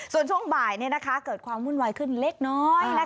ส่วนช่วงบ่ายเกิดความวุ่นวายขึ้นเล็กน้อย